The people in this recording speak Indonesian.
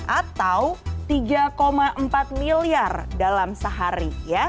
atau tiga empat miliar dalam sehari